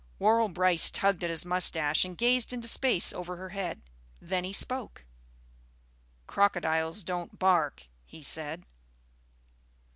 Worrall Brice tugged at his moustache and gazed into space over her head. Then he spoke. "Crocodiles don't bark," he said.